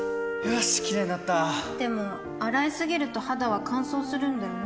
よしキレイになったでも、洗いすぎると肌は乾燥するんだよね